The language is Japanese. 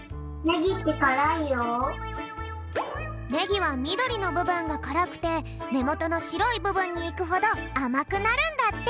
ネギはみどりのぶぶんがからくてねもとのしろいぶぶんにいくほどあまくなるんだって！